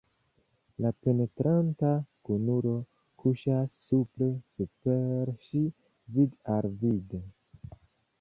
La penetranta kunulo kuŝas supre super ŝi, vid-al-vide.